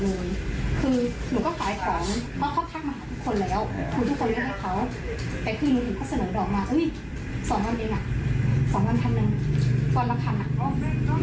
หนูก็เลยขอเพิ่มไปอีกห้าร้อย